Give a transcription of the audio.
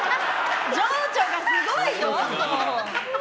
情緒がすごいよ？